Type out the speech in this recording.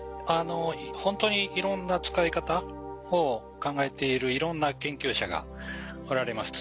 ほんとにいろんな使い方を考えているいろんな研究者がおられます。